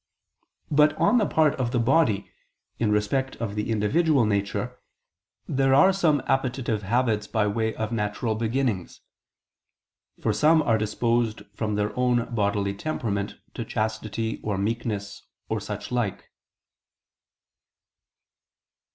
But on the part of the body, in respect of the individual nature, there are some appetitive habits by way of natural beginnings. For some are disposed from their own bodily temperament to chastity or meekness or such like.